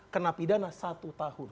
kena pidana satu tahun